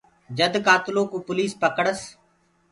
جد ڪآتلو ڪوُ پوليس پڪڙس۔